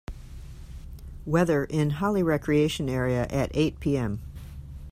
weather in Holly Recreation Area at eight P.m